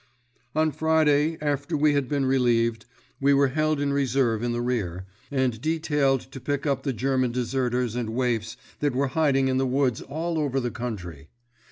"On Friday, after we had been relieved, we were held in reserve in the rear, and detailed to pick up the German deserters and waifs that were hiding in the woods all over the country.